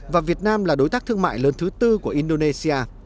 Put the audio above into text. và việt nam là đối tác thương mại lớn thứ tư của indonesia